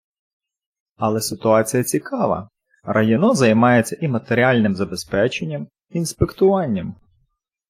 Але ситуація цікава: районо займається і матеріальним забезпеченням, і інспектуванням.